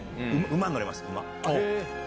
馬に乗れます。